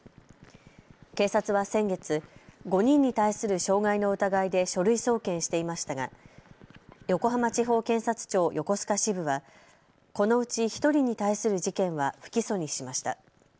警察は先月、５人に対する傷害の疑いで書類送検していましたが横浜地方検察庁横須賀支部はこのうち１人に対する事件は不起訴にしました。